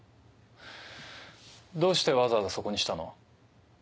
どうしてわざわざそこにしたの？